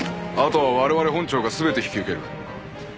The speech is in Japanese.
あとは我々本庁が全て引き受ける。